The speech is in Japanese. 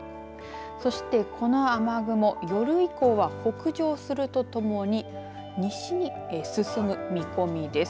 そしてこの雨雲、夜以降は北上するとともに西に進む見込みです。